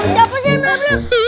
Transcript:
siapa sih yang nabrak